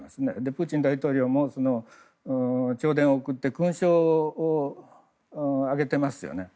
プーチン大統領も弔電を送って勲章をあげていますよね。